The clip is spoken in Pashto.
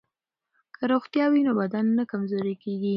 که روغتیا وي نو بدن نه کمزوری کیږي.